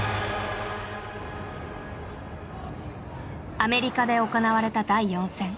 アメリカで行われた第４戦。